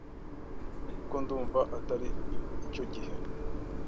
Ariko ndumva atari cyo gihe